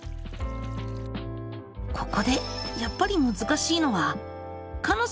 ここでやっぱり難しいのはかの。